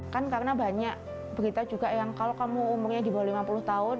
kan karena banyak berita juga yang kalau kamu umurnya di bawah lima puluh tahun